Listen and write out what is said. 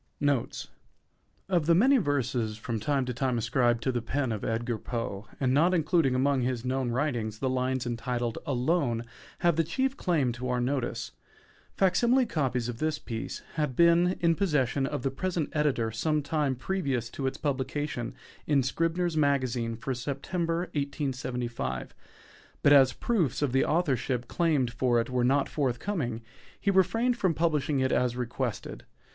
NOTES Of the many verses from time to time ascribed to the pen of Edgar Poe, and not included among his known writings, the lines entitled "Alone" have the chief claim to our notice. _Fac simile _copies of this piece had been in possession of the present editor some time previous to its publication in "Scribner's Magazine" for September, 1875; but as proofs of the authorship claimed for it were not forthcoming, he refrained from publishing it as requested.